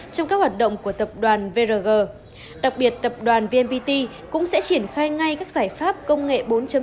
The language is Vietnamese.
trong các hoạt động của tập đoàn vrg đặc biệt tập đoàn vnpt cũng sẽ triển khai ngay các giải pháp công nghệ bốn